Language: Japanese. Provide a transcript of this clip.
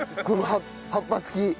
この葉っぱ付き。